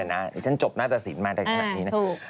เดี๋ยวฉันจบหน้าตระสิทธิ์มากในขณะนี้